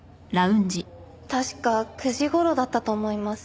確か９時頃だったと思います。